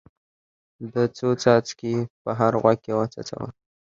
ده څو څاڅکي په هر غوږ کې وڅڅول.